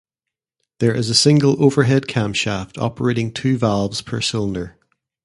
There is a single overhead camshaft operating two valves per cylinder.